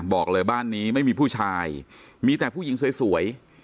บอกเลยบ้านนี้ไม่มีผู้ชายมีแต่ผู้หญิงสวย